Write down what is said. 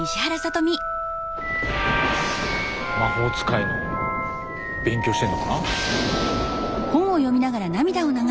魔法使いの勉強してるのかな？